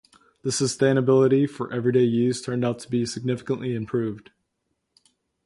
The suitability for everyday use turned out to be significantly improved.